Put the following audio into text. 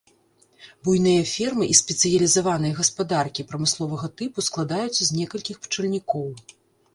Буйныя фермы і спецыялізаваныя гаспадаркі прамысловага тыпу складаюцца з некалькіх пчальнікоў.